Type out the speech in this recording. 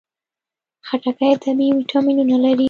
خټکی طبیعي ویټامینونه لري.